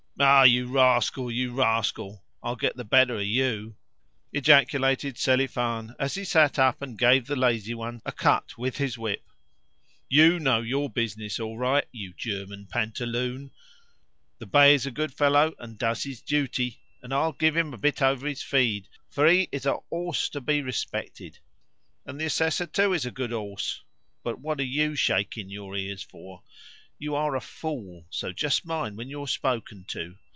"Ah, you rascal, you rascal! I'll get the better of you!" ejaculated Selifan as he sat up and gave the lazy one a cut with his whip. "YOU know your business all right, you German pantaloon! The bay is a good fellow, and does his duty, and I will give him a bit over his feed, for he is a horse to be respected; and the Assessor too is a good horse. But what are YOU shaking your ears for? You are a fool, so just mind when you're spoken to.